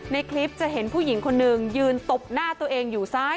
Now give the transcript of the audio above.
ในคลิปจะเห็นผู้หญิงคนหนึ่งยืนตบหน้าตัวเองอยู่ซ้าย